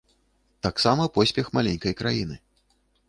Таксама поспех маленькай краіны.